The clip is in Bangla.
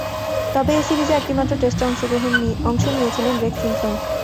তবে, এ সিরিজে একটিমাত্র টেস্টে অংশ নিয়েছিলেন রেগ সিম্পসন।